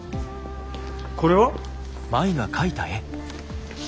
これは？